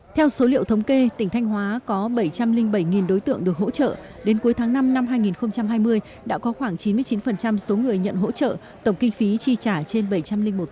theo số liệu thống kê tỉnh thanh hóa có bảy trăm linh bảy đối tượng được hỗ trợ